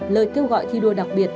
lời kêu gọi thi đua đặc biệt